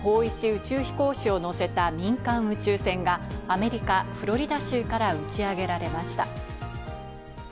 宇宙飛行士を乗せた民間宇宙船がアメリカ・フロリダ州から打ち上げられました。